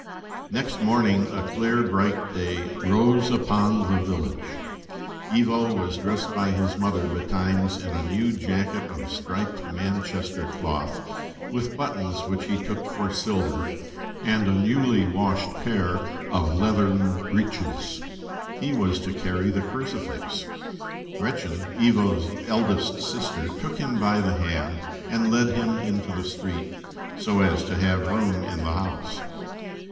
Next morning a clear, bright day rose upon the village. Ivo was dressed by his mother betimes in a new jacket of striped Manchester cloth, with buttons which he took for silver, and a newly washed pair of leathern breeches. He was to carry the crucifix. Gretchen, Ivo's eldest sister, took him by the hand and led him into the street, "so as to have room in the house."